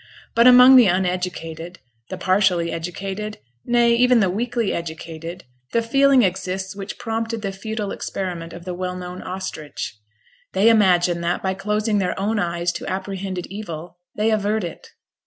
But among the uneducated the partially educated nay, even the weakly educated the feeling exists which prompted the futile experiment of the well known ostrich. They imagine that, by closing their own eyes to apprehended evil, they avert it.